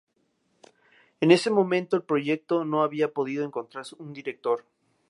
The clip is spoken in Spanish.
En ese momento, el proyecto no había podido encontrar un director.